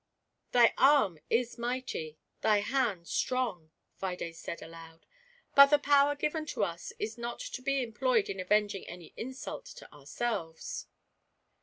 " Thy arm is mighty, thy hand strong," Fides said aloud, " but the power given to us is not to be employed in avenging any insult to ourselves."